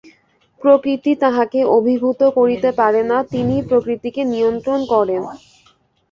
প্রকৃতি তাঁহাকে অভিভূত করিতে পারে না, তিনিই প্রকৃতিকে নিয়ন্ত্রিত করেন।